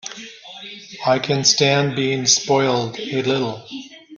I can stand being spoiled a little.